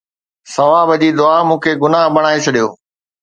ثواب جي دعا مون کي گناهه بڻائي ڇڏيو